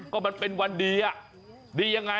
ก็มันเป็นวันดีอะดีดียังไง